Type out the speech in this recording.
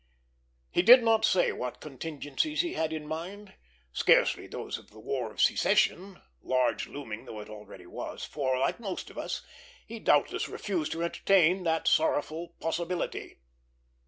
He did not say what contingencies he had in mind; scarcely those of the War of Secession, large looming though it already was, for, like most of us, he doubtless refused to entertain that sorrowful possibility.